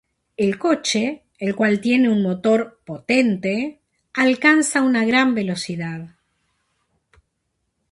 El coche, el cual tiene un motor potente, alcanza una gran velocidad.